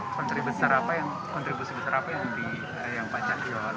kontribusi besar apa yang di pak cahyo